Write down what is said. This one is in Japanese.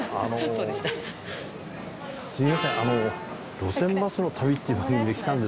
すみません